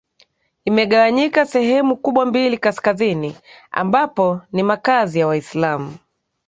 imegawanyika sehemu kubwa mbili kaskazini ambapo ni makaazi ya waislamu